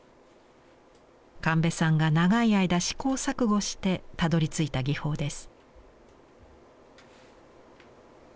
神戸さんが長い間試行錯誤してたどりついた技法です。